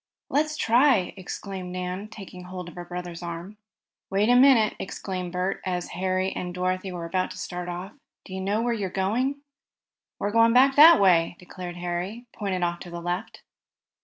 "Let's try!" exclaimed Nan, taking hold of her brother's arm. "Wait a minute!" exclaimed Bert as Harry and Dorothy were about to start off. "Do you know where you're going?" "We're going back that way," declared Harry, pointing off to the left.